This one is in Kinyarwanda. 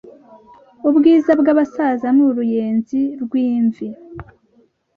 ubwiza bw abasaza ni uruyenzi rw imvi